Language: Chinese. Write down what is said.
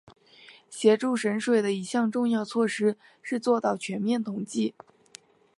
协助省水的一项重要措施是做到全面统计。